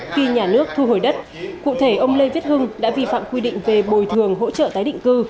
khi nhà nước thu hồi đất cụ thể ông lê viết hưng đã vi phạm quy định về bồi thường hỗ trợ tái định cư